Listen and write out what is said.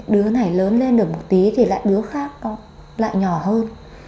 đứa này lớn lên được một tí thì lại đứa khác nó lại nhỏ hơn